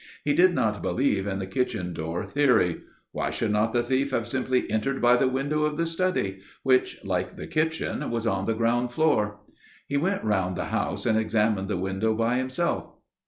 He did not believe in the kitchen door theory. Why should not the thief have simply entered by the window of the study, which like the kitchen, was on the ground floor? He went round the house and examined the window by himself.